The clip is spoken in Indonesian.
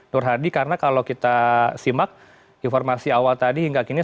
nur hadi karena kalau kita simak informasi awal tadi hingga kini